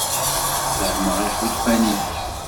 Fehmeɣ iḥulfan-ik.